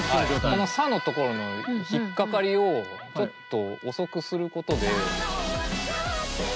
この「さ」のところの引っ掛かりをちょっと遅くすることで。